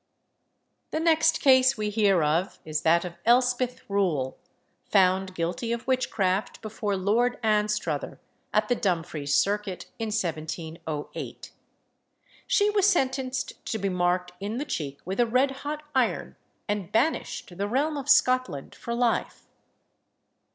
The next case we hear of is that of Elspeth Rule, found guilty of witchcraft before Lord Anstruther, at the Dumfries circuit, in 1708. She was sentenced to be marked in the cheek with a red hot iron, and banished the realm of Scotland for life.